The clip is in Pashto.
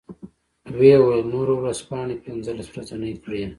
و یې ویل نورو ورځپاڼې پنځلس ورځنۍ کړې.